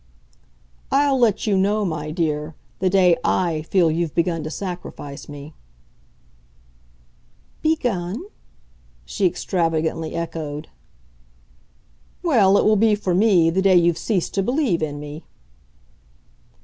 "I'll let you know, my dear, the day I feel you've begun to sacrifice me." "'Begun'?" she extravagantly echoed. "Well, it will be, for me, the day you've ceased to believe in me."